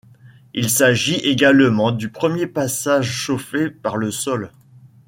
Il s'agit également du premier passage chauffé par le sol.